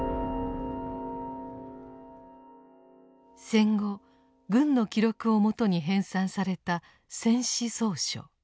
戦後軍の記録をもとに編纂された「戦史叢書」。